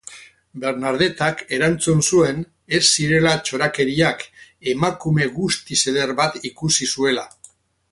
Bernadetak erantzun zuen ez zirela txorakeriak, emakume guztiz eder bat ikusi zuela.